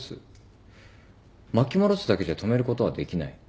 巻き戻すだけじゃ止めることはできない。